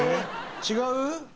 違う？